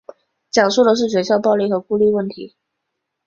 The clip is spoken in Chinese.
讲述的是学校暴力和孤立问题。